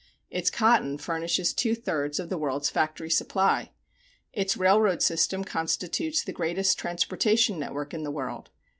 Its cotton furnishes two thirds of the world's factory supply. Its railroad system constitutes the greatest transportation network in the world.